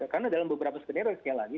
karena dalam beberapa skenario lainnya lagi